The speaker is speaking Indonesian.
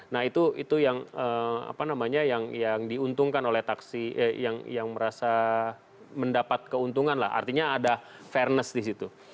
nah itu yang diuntungkan oleh taksi yang merasa mendapat keuntungan lah artinya ada fairness di situ